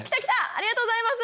ありがとうございます。